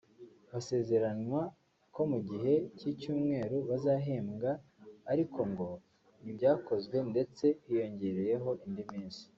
basezeranwa ko mu gihe cy’ icyumweru bazahembwa ariko ngo ntibyakozwe ndetse hinyongeyeho indi minsi